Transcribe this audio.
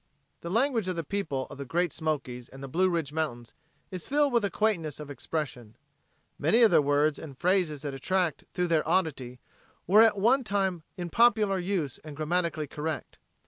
The language of the people of the Great Smokies and the Blue Ridge mountains is filled with a quaintness of expression. Many of their words and phrases that attract through their oddity were at one time in popular use and grammatically correct.